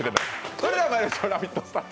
それではまいりましょう「ラヴィット！」